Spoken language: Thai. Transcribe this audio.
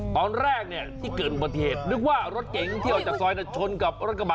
ตอนแรกวันอุบัติเหตุเราต้องรู้ว่ารถเก๋งซอยที่ชนกับรถกระบะ